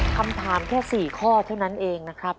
คำถามแค่๔ข้อเท่านั้นเองนะครับ